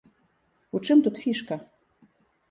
У чым тут фішка?